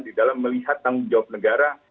di dalam melihat tanggung jawab negara